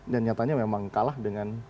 nyatanya memang kalah dengan